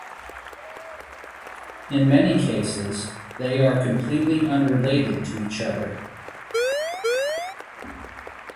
In many cases, they are completely unrelated to each other.